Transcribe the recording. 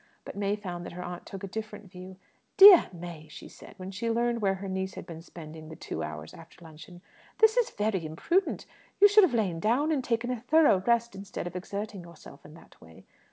But May found that her aunt took a different view. "Dear May," said she, when she learned where her niece had been spending the two hours after luncheon, "this is very imprudent! You should have lain down and taken a thorough rest instead of exerting yourself in that way."